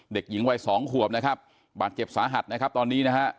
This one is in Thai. เด็กหญิงวัยสองขวบนะครับบาดเจ็บสาหัสนะครับตอนนี้นะฮะ